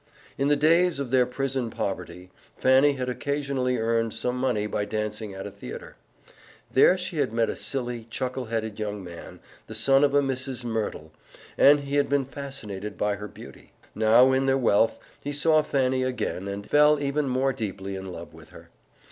In the days of their prison poverty Fanny had occasionally earned some money by dancing at a theater. There she had met a silly, chuckle headed young man, the son of a Mrs. Merdle, and he had been fascinated by her beauty. Now, in their wealth, he saw Fanny again and fell even more deeply in love with her.